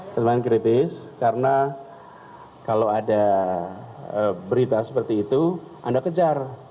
teman kritis karena kalau ada berita seperti itu anda kejar